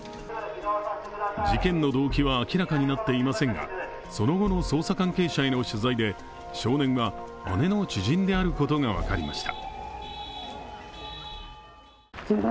事件の動機は明らかになっていませんが、その後の捜査関係者取材で少年は姉の知人であることが分かりました。